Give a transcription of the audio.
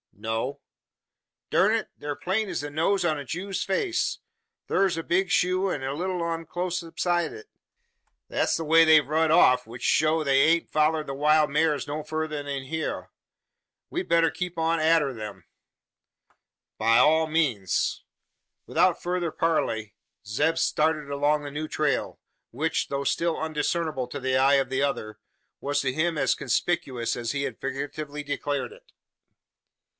"No." "Durn it! thur plain es the nose on a Jew's face. Thur's a big shoe, an a little un clost aside o' it. Thet's the way they've rud off, which show that they hain't follered the wild maars no further than hyur. We'd better keep on arter them?" "By all means!" Without further parley, Zeb started along the new trail; which, though still undiscernible to the eye of the other, was to him as conspicuous as he had figuratively declared it.